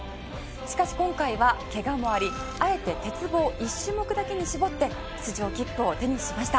しかし、今回は、ケガもありあえて鉄棒１種目だけに絞って出場切符を手にしました。